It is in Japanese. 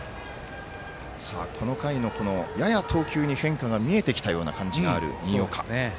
この回の、やや投球に変化が見えてきたような新岡。